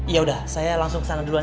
yaudah saya langsung ke sana duluan ya